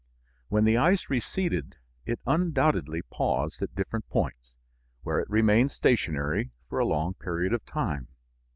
When the ice receded it undoubtedly paused at different points, where it remained stationary for a long period of time.